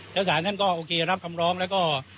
แล้วสารท่านก็โอเครับคำร้องแล้วก็